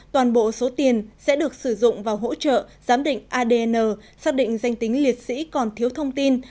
toàn bộ số tiền sẽ được sử dụng và hỗ trợ giám định adn xác định danh tính liệt sĩ còn thiếu thông tin